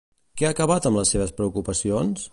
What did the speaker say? Què va acabar amb les seves preocupacions?